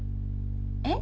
えっ？